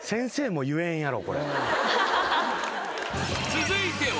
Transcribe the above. ［続いては］